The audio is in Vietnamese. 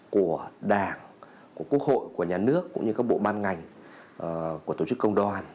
của đảng của quốc hội của nhà nước cũng như các bộ ban ngành của tổ chức công đoàn